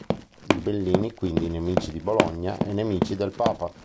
Ghibellini quindi nemici di Bologna e nemici del Papa.